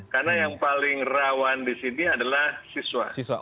karena yang paling rawan di sini adalah siswa